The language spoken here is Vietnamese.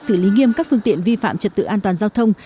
xử lý nghiêm các phương tiện vi phạm trật tự an toàn giao thông